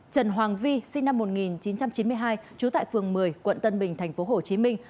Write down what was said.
trần hoàng vi sinh năm một nghìn chín trăm chín mươi hai trú tại phường một mươi quận tân bình thành phố hồ chí minh